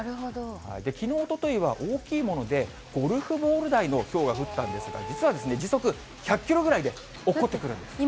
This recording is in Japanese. きのう、おとといは大きいもので、ゴルフボール大のひょうが降ったんですが、実はですね、時速１００キロぐらいでおっこってくるんですね。